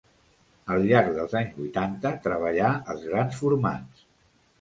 Al llarg dels anys vuitanta treballà els grans formats.